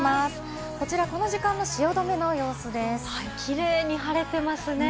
こちら、この時間の汐留の様キレイに晴れていますね。